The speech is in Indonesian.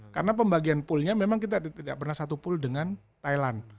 karena pembagian poolnya memang kita tidak pernah satu pool dengan thailand